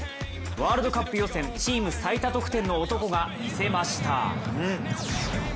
ワールドカップ予選チーム最多得点の男が見せました。